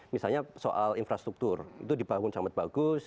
misalnya soal infrastruktur itu dibangun sangat bagus